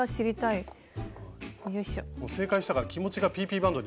正解したから気持ちがＰＰバンドに。